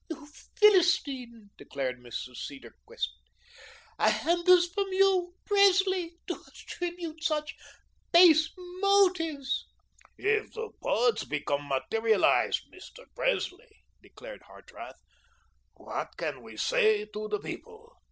"Ah, you Philistine," declared Mrs. Cedarquist. "And this from YOU!, Presley; to attribute such base motives " "If the poets become materialised, Mr. Presley," declared Hartrath, "what can we say to the people?"